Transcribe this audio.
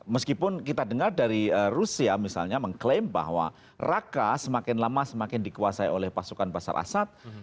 meskipun kita dengar dari rusia misalnya mengklaim bahwa raqqa semakin lama semakin dikuasai oleh pasukan bashar al assad